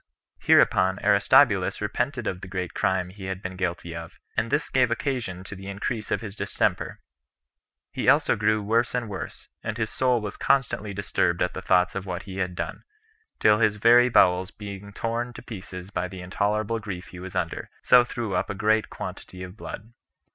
Hereupon Aristobulus repented of the great crime he had been guilty of, and this gave occasion to the increase of his distemper. He also grew worse and worse, and his soul was constantly disturbed at the thoughts of what he had done, till his very bowels being torn to pieces by the intolerable grief he was under, he threw up a great quantity of blood.